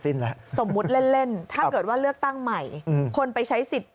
สิ้นและสมมุติเล่นถ้าเกิดว่าเลือกตั้งใหม่คนไปใช้สิทธิ์